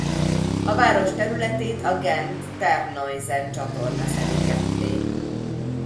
A város területét a Gent-Terneuzen-csatorna szeli ketté.